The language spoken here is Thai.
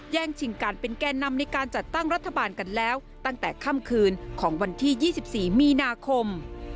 ชิงการเป็นแก่นำในการจัดตั้งรัฐบาลกันแล้วตั้งแต่ค่ำคืนของวันที่๒๔มีนาคม